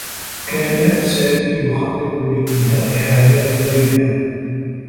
كان سامي يخطّط لإنهاء حياة ليلى.